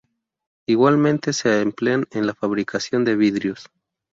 Igualmente se emplean en la fabricación de vidrios.